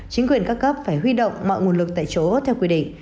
chính quyền các cấp phải huy động mọi nguồn lực tại chỗ theo quy định